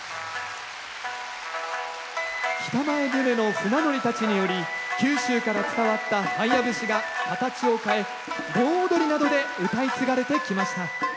北前船の船乗りたちにより九州から伝わった「ハイヤ節」が形を変え盆踊りなどでうたい継がれてきました。